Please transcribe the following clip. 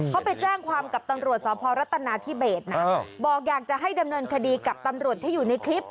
เขาไปแจ้งความกับตำรวจสพรัฐนาธิเบสนะบอกอยากจะให้ดำเนินคดีกับตำรวจที่อยู่ในคลิป